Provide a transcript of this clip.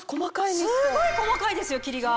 すごい細かいですよ霧が。